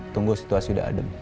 tunggu situasi udah adem